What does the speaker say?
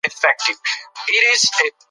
آرشیف مهم اسناد ساتي.